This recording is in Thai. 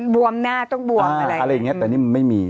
บวมหน้าต้องบวมอะไรอย่างเงี้ยอ่าอะไรอย่างเงี้ยแต่นี่มันไม่มี